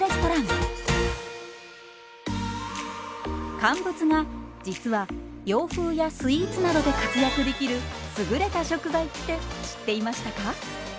乾物が実は洋風やスイーツなどで活躍できる優れた食材って知っていましたか？